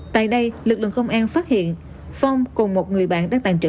tại đây lực lượng công an phát hiện phong cùng một người bạn đang tàn trữ